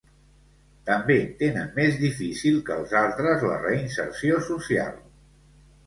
També tenen més difícil que els altres la reinserció social.